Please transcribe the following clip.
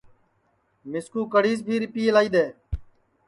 مِسکُو کڑھیس بھی رِپئے لائی دؔے